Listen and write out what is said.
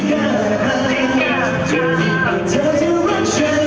ที่เราเคยให้กับมันสัญญาเธอจริงใจ